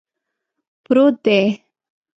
پروت دی